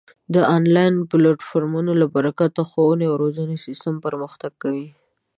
د آنلاین پلتفورمونو له برکته د ښوونې او روزنې سیستم پرمختګ کوي.